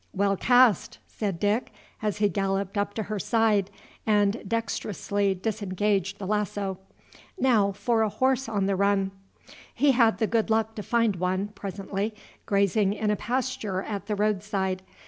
"Well cast!" said Dick, as he galloped up to her side and dexterously disengaged the lasso. "Now for a horse on the run!" He had the good luck to find one, presently, grazing in a pasture at the road side.